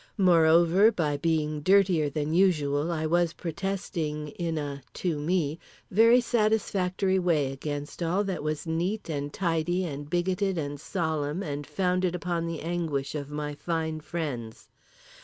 Moreover, by being dirtier than usual I was protesting in a (to me) very satisfactory way against all that was neat and tidy and bigoted and solemn and founded upon the anguish of my fine friends.